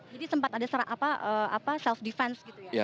jadi sempat ada apa apa self defense gitu ya